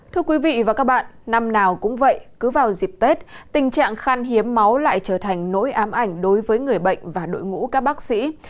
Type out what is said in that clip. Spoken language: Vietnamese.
thưa quý vị và các bạn năm nào cũng vậy cứ vào dịp tết tình trạng khan hiếm máu lại trở thành nỗi ám ảnh đối với người bệnh và đội ngũ các bác sĩ